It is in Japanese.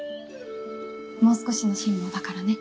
もう少しの辛抱だからね。